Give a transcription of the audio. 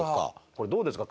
これどうですか？